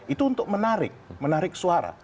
itu untuk menarik suara